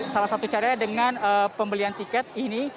salah satu caranya dengan pembelian tiket ini